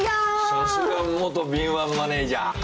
さすが元敏腕マネジャー。